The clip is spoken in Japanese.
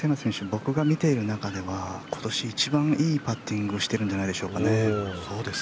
僕が見ている中では今年一番いいパッティングをしてるんじゃないでしょうか。